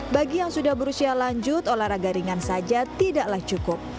bagi yang sudah berusia lanjut olahraga ringan saja tidaklah cukup